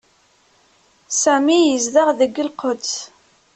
Sami yezdeɣ deg Lquds.